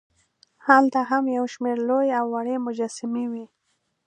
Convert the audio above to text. هلته هم یوشمېر لوې او وړې مجسمې وې.